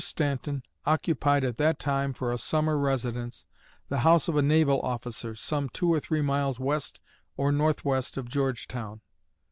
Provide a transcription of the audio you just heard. Stanton occupied at that time for a summer residence the house of a naval officer, some two or three miles west or northwest of Georgetown.